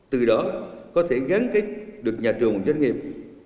từ đó có thể gắn kết được nhà trường và doanh nghiệp